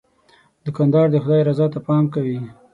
دوکاندار د خدای رضا ته پام کوي.